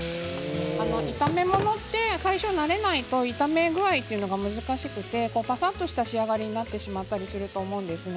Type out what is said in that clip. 炒め物って最初、慣れないと炒め具合が難しくてぱさっとした仕上がりになってしまうと思うんですね。